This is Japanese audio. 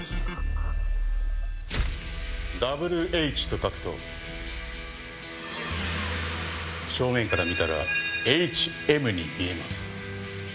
「ＷＨ」と書くと正面から見たら「ＨＭ」に見えます